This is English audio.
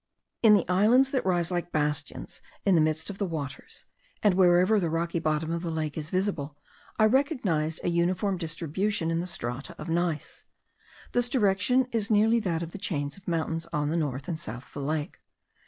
In the islands that rise like bastions in the midst of the waters, and wherever the rocky bottom of the lake is visible, I recognised a uniform direction in the strata of gneiss. This direction is nearly that of the chains of mountains on the north and south of the lake.